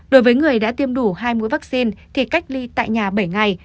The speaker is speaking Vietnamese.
đối với người đã tiêm đủ hai mũi vaccine thì cách ly tại nhà bảy ngày